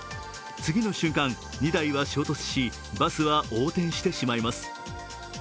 次の瞬間、２台は衝突しバスは横転してしまいます。